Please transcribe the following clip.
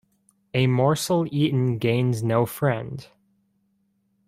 A morsel eaten gains no friend.